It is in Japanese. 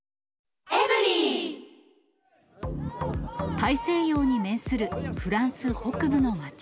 大西洋に面するフランス北部の町。